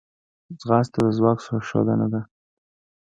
ځغاسته د ځواک ښودنه ده